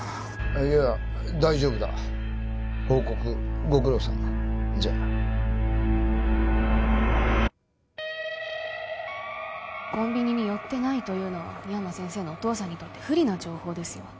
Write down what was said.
いや大丈夫だ報告ご苦労さんじゃコンビニに寄ってないというのは深山先生のお父さんにとって不利な情報ですよ